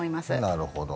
なるほど。